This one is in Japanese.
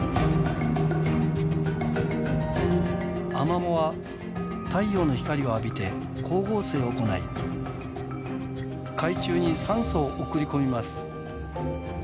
アマモは太陽の光を浴びて光合成を行い海中に酸素を送り込みます。